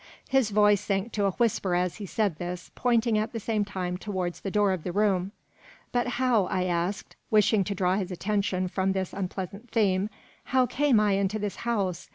His voice sank to a whisper as he said this, pointing at the same time towards the door of the room. "But how," I asked, wishing to draw his attention from this unpleasant theme, "how came I into this house?